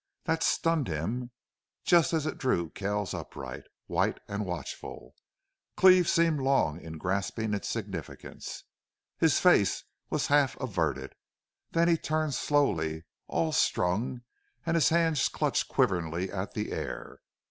That stunned him, just as it drew Kells upright, white and watchful. Cleve seemed long in grasping its significance. His face was half averted. Then he turned slowly, all strung, and his hands clutched quiveringly at the air.